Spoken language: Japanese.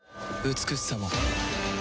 美しさも